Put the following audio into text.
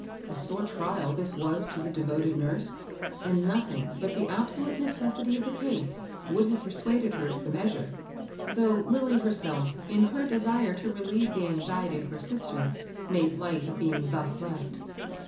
A sore trial this was to the devoted nurse, and nothing but the absolute necessity of the case would have persuaded her to the measure ; though LiUy herself, in her desire to relieve the anxiety of her sister, made light of being thus left.